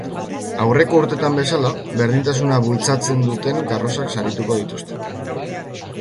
Aurreko urteetan bezala, berdintasuna bultzatzen duten karrozak sarituko dituzte.